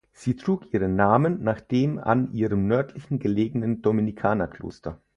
Sie trug ihren Namen nach dem an ihrem nördlich gelegenen Dominikanerkloster.